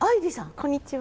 こんにちは。